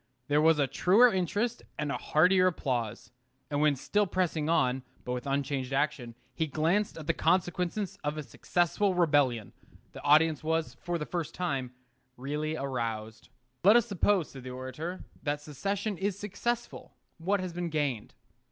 There was a truer interest and a heartier applause. And when still pressing on, but with unchanged action, he glanced at the consequences of a successful rebellion, the audience was, for the first time, really aroused. Let us suppose, said the orator, that secession is successful, what has been gained?